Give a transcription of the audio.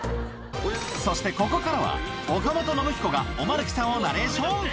そしてここからは岡本信彦がおマヌケさんをナレーション